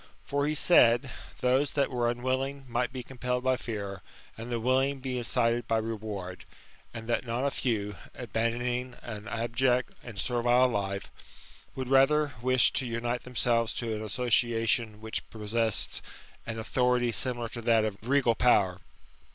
" For he said, those that were unwilling might be compelled by fear, and the willing might be incited by reward ; and that not a few, abandoning an abject and servile life, would rather wish to unite themselves to an association which possessed an authority similar to that of regal power.